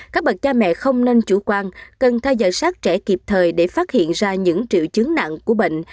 các bậc cha mẹ không nên chủ quan cần theo dõi sát trẻ kịp thời để phát hiện ra những triệu chứng nặng của bệnh